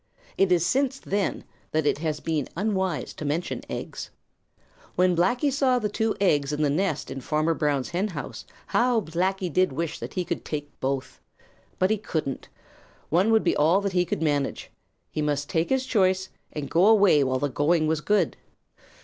It is since then that it has been unwise to mention eggs. When Blacky saw the two eggs in the nest in Farmer Brown's henhouse how Blacky did wish that he could take both. But he couldn't. One would be all that he could manage. He must take his choice and go away while the going was good.